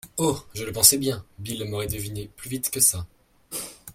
Oh ! je le pensais bien, Bill m'aurait deviné plus vite que ça.